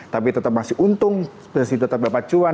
tapi tetap masih untung masih tetap dapat cuan